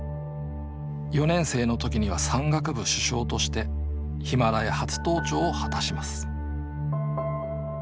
４年生の時には山岳部主将としてヒマラヤ初登頂を果たします